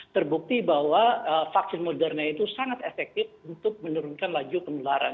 terbukti bahwa vaksin moderna itu sangat efektif untuk menurunkan laju penularan